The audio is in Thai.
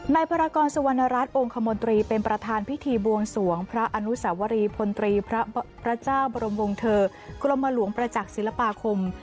ภารกรสุวรรณรัฐองค์คมนตรีเป็นประธานพิธีบวงสวงพระอนุสวรีพลตรีพระเจ้าบรมวงเทอร์กรมหลวงประจักษ์ศิลปาคม